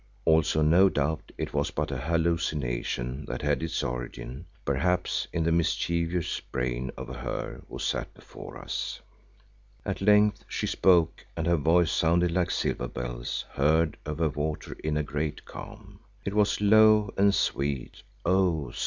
Also no doubt it was but a hallucination that had its origin, perhaps, in the mischievous brain of her who sat before us. At length she spoke and her voice sounded like silver bells heard over water in a great calm. It was low and sweet, oh!